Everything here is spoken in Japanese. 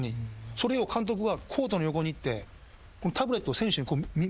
それを監督がコートの横に行ってタブレットを選手に見せてもいいんですよ。